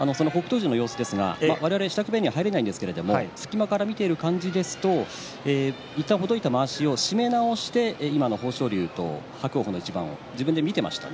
富士の様子ですが我々、支度部屋には入れないんですが隙間から見ている感じだといったんほどいたまわしを締め直して今の豊昇龍と伯桜鵬の一番を自分で見ていました。